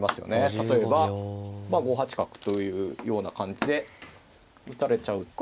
例えば５八角というような感じで打たれちゃうと。